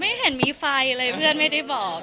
ไม่เห็นมีไฟเลยเพื่อนไม่ได้บอก